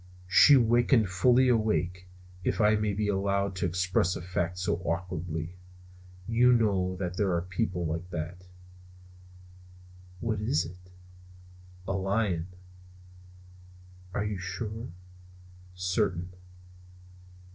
She wakened fully awake, if I may be allowed to express a fact so awkwardly. You may know that there are people like that. "What is it?" "A lion." "Are you sure?" "Certain."